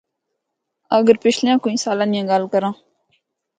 اگر پچھلیاں کوئی سالاں دی گل کراں۔